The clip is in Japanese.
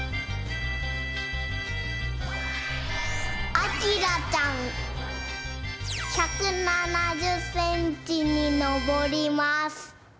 あきらちゃん１７０センチにのぼります。